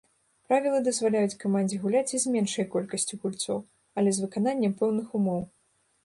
Правілы дазваляюць камандзе гуляць і з меншай колькасцю гульцоў, але з выкананнем пэўных умоў.